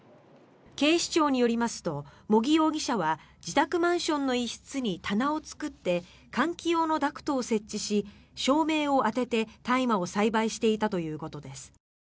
警視庁によりますと茂木容疑者は自宅マンションの一室に棚を作って換気用のダクトを設置し照明を当てて大麻を栽培していたということです。